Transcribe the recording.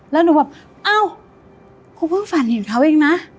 แล้วหนูแบบเอ้าเขาเพิ่งฝันเห็นเขาเองนะ